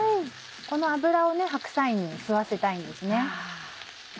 この脂を白菜に吸わせたいんですね。